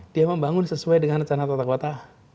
dia membangun sesuai dengan rencana tata kota